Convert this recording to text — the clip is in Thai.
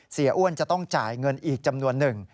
อ้วนจะต้องจ่ายเงินอีกจำนวนหนึ่ง